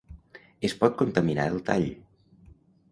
Es pot contaminar el tall.